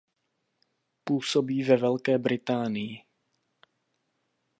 Působí ve Velké Británii.